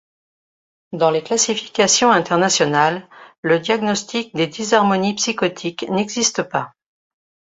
Dans les classifications internationales, le diagnostic des dysharmonies psychotiques n'existe pas.